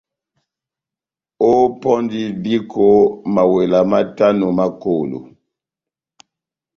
Ópɔndi viko mawela matano ma kolo.